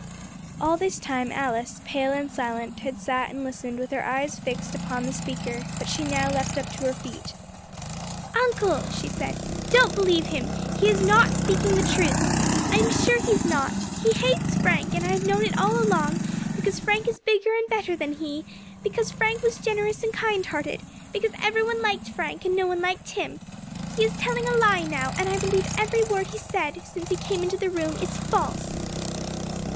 All this time Alice, pale and silent, had sat and listened with her eyes fixed upon the speaker, but she now leapt up to her feet. "Uncle," she said, "don't believe him, he is not speaking the truth, I am sure he is not. He hates Frank, and I have known it all along, because Frank is bigger and better than he; because Frank was generous and kind hearted; because every one liked Frank and no one liked him. He is telling a lie now, and I believe every word he has said since he came into the room is false."